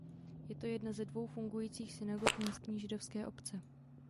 Je to jedna ze dvou fungujících synagog místní židovské obce.